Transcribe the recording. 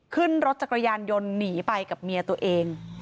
ขึ้นรถจักรยานยนต์หนีไปกับเมียตัวเอง